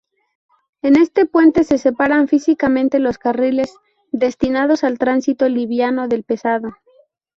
En este puente se separan físicamente los carriles destinados al tránsito liviano del pesado.